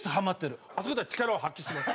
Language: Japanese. あそこ出たら力を発揮します。